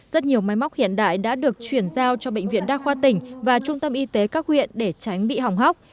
rất nhiều máy móc hiện đại đã được chuyển giao cho bệnh viện đa khoa tỉnh và trung tâm y tế các huyện để tránh bị hỏng hóc